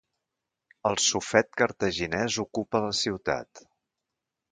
El sufet cartaginès ocupa la ciutat.